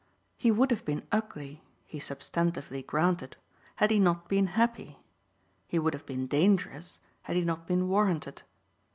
He would have been ugly, he substantively granted, had he not been happy; he would have been dangerous had he not been warranted.